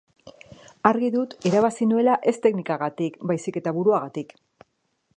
Argi dut irabazi nuela ez teknikagatik baizik eta buruagatik.